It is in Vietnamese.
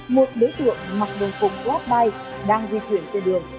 một đối tượng mặc đồn phùng blackbike đang di chuyển trên đường